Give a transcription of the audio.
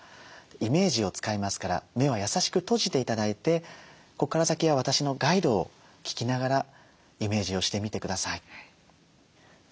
イメージを使いますから目は優しく閉じて頂いてここから先は私のガイドを聴きながらイメージをしてみてください。